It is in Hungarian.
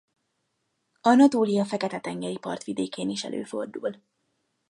Anatólia fekete-tengeri partvidékén is előfordul.